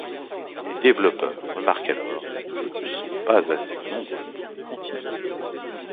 Les développeurs remarquent alors qu'il ne sont pas assez nombreux pour le continuer.